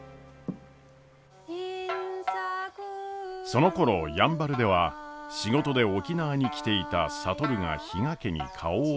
そのころやんばるでは仕事で沖縄に来ていた智が比嘉家に顔を出しました。